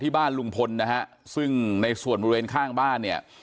บ้านลุงพลนะฮะซึ่งในส่วนบริเวณข้างบ้านเนี่ย